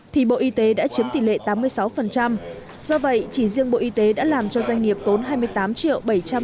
thì bộ y tế đã chiếm tỷ lệ tám mươi sáu do vậy chỉ riêng bộ y tế đã làm cho doanh nghiệp tốn hai mươi tám triệu